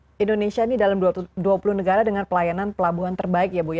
dan masuk indonesia dalam dua puluh negara dengan pelayanan pelabuhan terbaik ya bu